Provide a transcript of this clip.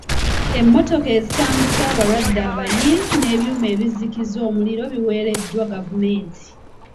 Emmotoka ezitambuza abalwadde abayi n'ebyuma ebizikiza omuliro biweereddwa gavumenti.